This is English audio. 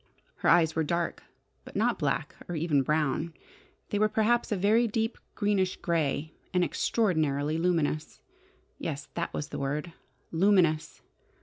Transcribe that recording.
Her eyes were dark, but not black or even brown. They were perhaps a very deep, greenish grey, and extraordinarily luminous. Yes, that was the word: luminous!